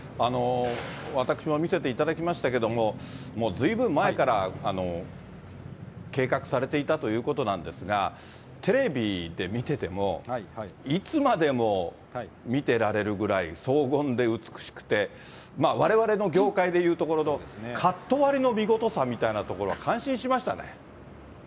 私も見せていただきましたけども、ずいぶん前から計画されていたということなんですが、テレビで見てても、いつまでも見てられるぐらい、荘厳で美しくて、われわれの業界で言うところの、カット割りの見事さみたいなところは感心しましたね。